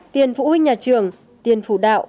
tiền phụ huynh nhà trường tiền phụ đạo